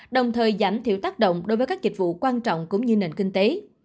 đồng thời giảm thiểu tác động đối với các dịch vụ quan trọng cũng như nền kinh tế